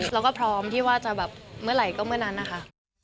เราก็พร้อมที่ว่าจะแบบเมื่อไหร่ก็เมื่อนั้นนะคะ